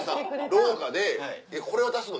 廊下で「これを出すの？